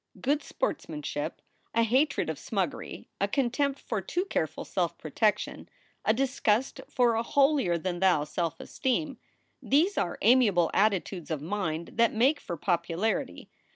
Good sportsmanship, a hatred of smuggery, a contempt for too careful self protection, a disgust for a holier than thou self esteem these are amiable attitudes of mind that make for popularity.